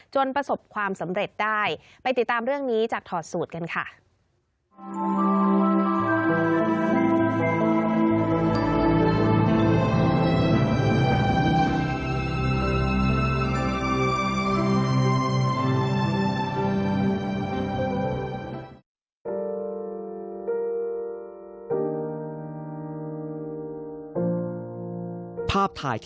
ประสบความสำเร็จได้ไปติดตามเรื่องนี้จากถอดสูตรกันค่ะ